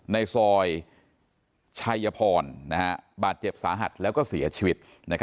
ในซอยชัยพรบาดเจ็บสาหัสแล้วก็เสียชีวิต